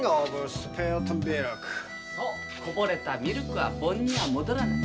そう「こぼれたミルクは盆には戻らない」。